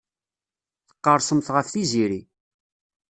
Tqerrsemt ɣef Tiziri.